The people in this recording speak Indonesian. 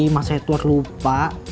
masa tua lupa